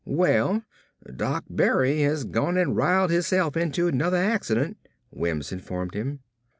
"Well, Doc Berry has gone an' riled hisself into 'nuther accident," Wims informed him.